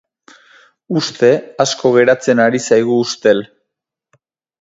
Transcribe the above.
Uste asko gertatzen ari zaigu ustel.